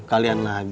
kalian selamat pagi